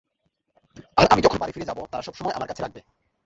আর আমি যখন বাড়ি ফিরে যাবো, তারা সবসময় আমাকে কাছে রাখবে।